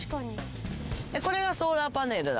これがソーラーパネルだ。